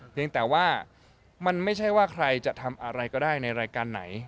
ยังแต่ว่ามันไม่ใช่ว่าใครจะทำอะไรก็ได้ในรายการไหน